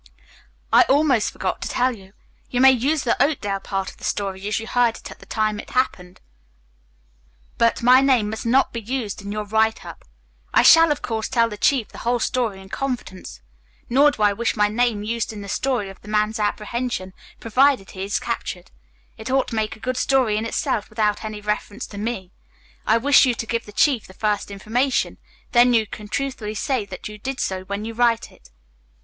"I almost forgot to tell you. You may use the Oakdale part of the story as you heard it at the time it happened, but my name must not be used in your write up. I shall, of course, tell the chief the whole story in confidence. Nor do I wish my name used in the story of the man's apprehension, provided he is captured. It ought to make a good story in itself without any reference to me. I wish you to give the chief the first information, then you can truthfully say that you did so when you write it."